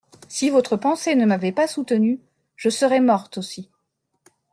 Si votre pensée ne m’avait pas soutenue, je serais morte aussi.